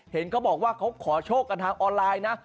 เห็นเขาบอกว่าเขาขอโชคกันทางออนไลน์นะ